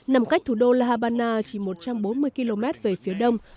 nằm cách thủ đô la habana chỉ một trăm bốn mươi km về phía đông